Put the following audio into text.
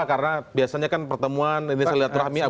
karena biasanya kan pertemuan ini saya lihat rahmiah